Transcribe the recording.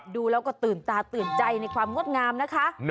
ดูแล้วก็ตื่นตาตื่นใจในความงดงามนะคะ